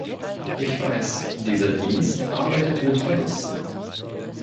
Ich weiß, dieser Dienst arbeitet mit Verlusten.